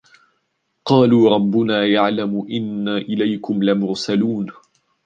قَالُوا رَبُّنَا يَعْلَمُ إِنَّا إِلَيْكُمْ لَمُرْسَلُونَ